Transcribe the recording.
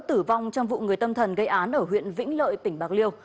tử vong trong vụ người tâm thần gây án ở huyện vĩnh lợi tỉnh bạc liêu